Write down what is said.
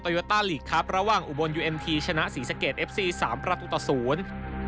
โยต้าลีกครับระหว่างอุบลยูเอ็มทีชนะศรีสะเกดเอฟซีสามประตูต่อศูนย์